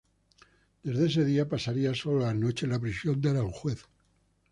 Desde ese día, pasaría solo las noches en la prisión de Aranjuez.